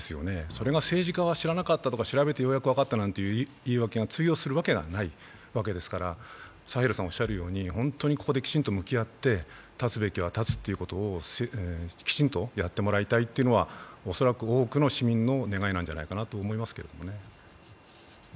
それが政治家が知らなかったとか調べてようやく分かったとかいう言い訳が通用するわけがないわけですから、サヘルさん言うように本当にここできちんと向き合って、断つべきは断つということをきちんとやってもらいたいというのは、恐らく多くの市民の願いなんじゃないかなと思います。